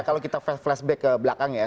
kalau kita flashback ke belakang ya